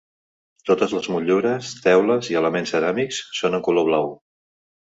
Totes les motllures, teules i elements ceràmics són en color blau.